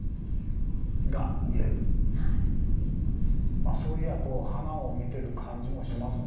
まあそういやこう華を見てる感じもしますね。